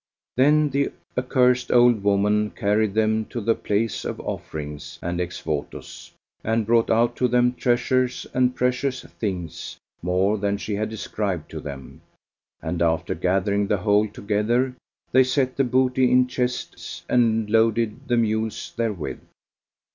Then the accursed old woman carried them to the place of offerings and ex votos, and brought out to them treasures and precious things more than she had described to them; and after gathering the whole together, they set the booty in chests and loaded the mules therewith.